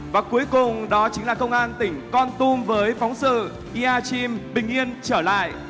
và cuối cùng đó chính là công an tỉnh con tum với phóng sự iachim bình yên trở lại